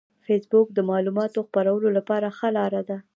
فېسبوک د معلوماتو د خپرولو لپاره ښه لار ده